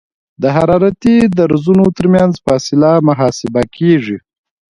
د حرارتي درزونو ترمنځ فاصله محاسبه کیږي